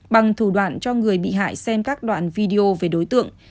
bằng thủ đoạn cho người bị hại xem các đoạn video về đối tượng